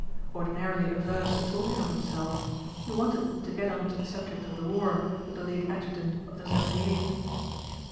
Ordinarily averse to talking of himself, he wanted to get on to the subject of the war with the late adjutant of the seventy eighth.